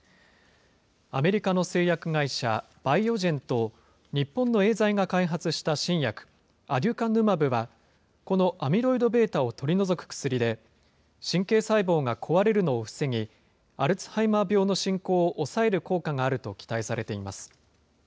アメリカの製薬会社、バイオジェンと日本のエーザイが開発した新薬、アデュカヌマブは、このアミロイドβを取り除く薬で、神経細胞が壊れるのを防ぎ、アルツハイマー病の進行を抑える効果があると期待されています。